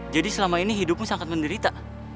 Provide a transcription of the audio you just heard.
jadi selama ini hidupmu sangat menderita